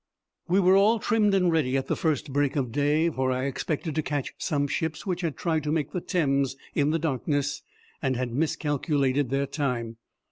We were all trimmed and ready at the first break of day, for I expected to catch some ships which had tried to make the Thames in the darkness and had miscalculated their time.